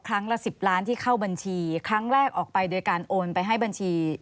ละ๑๐ล้านที่เข้าบัญชีครั้งแรกออกไปโดยการโอนไปให้บัญชี